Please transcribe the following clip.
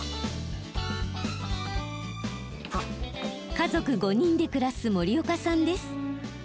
家族５人で暮らす森岡さんです。